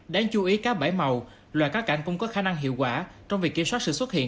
đáng chú ý cá bảy màu loại cá cảnh cũng có khả năng hiệu quả trong việc kiểm soát sự xuất hiện